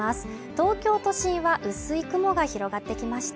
東京都心は薄い雲が広がってきました。